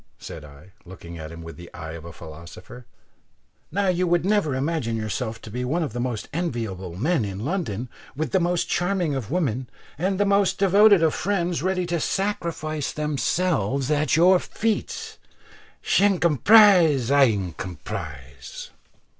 said I, looking at him with the eye of a philosopher; "now you would never imagine yourself to be one of the most enviable men in London, with the most charming of women and the most devoted of friends ready to sacrifice themselves at your feet she incomprise, I incompris."